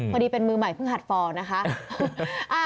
พอดีเป็นมือใหม่เพิ่งหัดฟอร์นะคะ